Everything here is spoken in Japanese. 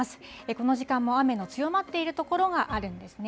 この時間も雨の強まっている所があるんですね。